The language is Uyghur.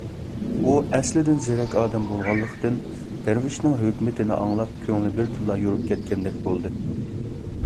ئۇ ئەسلىدىن زېرەك ئادەم بولغانلىقتىن، دەرۋىشنىڭ ھۆكمىتىنى ئاڭلاپ، كۆڭلى بىردىنلا يورۇپ كەتكەندەك بولدى.